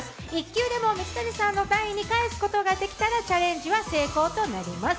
１球でも水谷さんの台に返すことができたらチャレンジは成功となります。